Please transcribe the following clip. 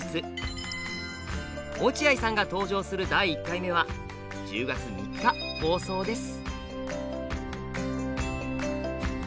落合さんが登場する第１回目は１０月３日放送です。